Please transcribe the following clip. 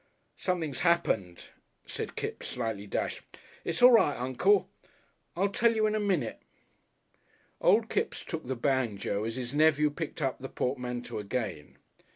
"Somethin's happened," said Kipps slightly dashed. "It's all right, Uncle. I'll tell you in a minute." Old Kipps took the banjo as his nephew picked up the portmanteau again.